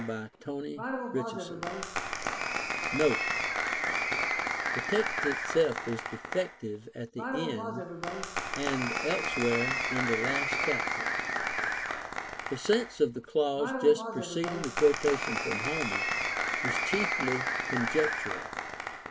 — Tlie text is defective at tlie end, and elsewhere in the last chapter. The sense of the clau.se just preceding the quotation from Homer is cliiefly conjectural.